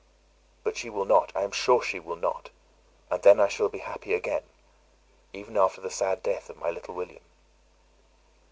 But she will not, I am sure she will not; and then I shall be happy again, even after the sad death of my little William."